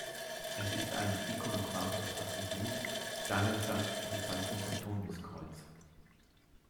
Es ist sein ikonographisches Attribut, daher stammt die Bezeichnung "Antoniuskreuz".